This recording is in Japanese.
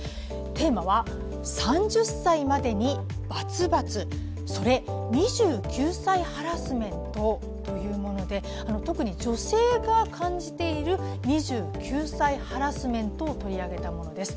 テーマは「３０歳までに××、それ２９歳ハラスメント？」というもので、特に女性が感じている２９歳ハラスメントを取り上げたものです。